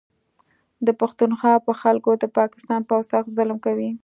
د پښتونخوا په خلکو د پاکستان پوځ سخت ظلم کوي